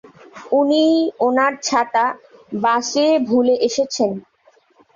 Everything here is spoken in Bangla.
উনি ওনার ছাতা বাসে ভুলে এসেছেন।